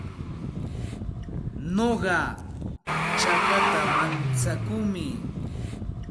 Nuqa chakata mantsakuumi.